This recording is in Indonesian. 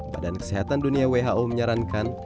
badan kesehatan dunia who menyarankan